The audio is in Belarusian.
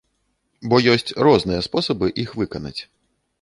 Бо ёсць розныя спосабы іх выканаць.